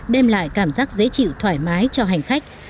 đem lại cảm giác dễ chịu thoải mái cho hành khách